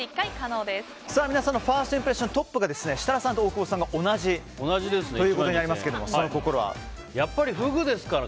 皆さんのファーストインプレッショントップが設楽さんと大久保さんが同じということになりますけどもやっぱりフグですから。